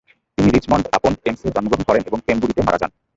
তিনি রিচমন্ড-আপন-টেমসে জন্মগ্রহণ করেন এবং পেমবুরিতে মারা যান।